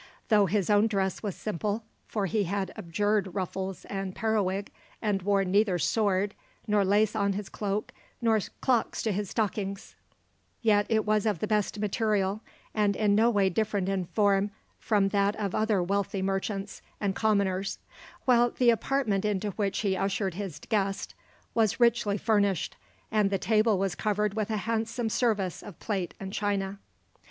Though his own dress was simple for he had abjured ruffles and periwig, and wore neither sword, nor lace on his cloak, nor clocks to his stockings yet it was of the best material, and in no way different in form from that of other wealthy merchants and commoners, while the apartment into which he ushered his guest was richly furnished, and the table was covered with a handsome service of plate and china.